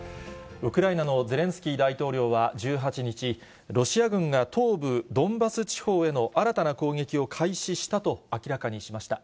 ウクライナのゼレンスキー大統領は１８日、ロシア軍が東部ドンバス地方への新たな攻撃を開始したと明らかにしました。